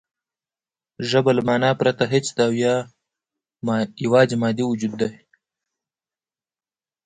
ژبه له مانا پرته هېڅ ده یا یواځې مادي وجود دی